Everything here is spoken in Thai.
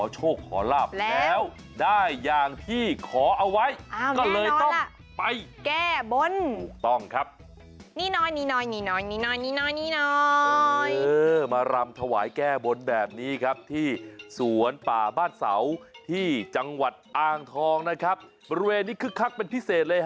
ใช่สินี่